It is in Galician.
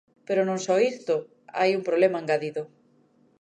Pero non só isto, hai un problema engadido.